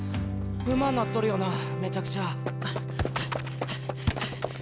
うまぁなっとるよなめちゃくちゃ。